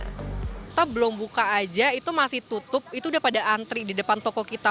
kita belum buka aja itu masih tutup itu udah pada antri di depan toko kita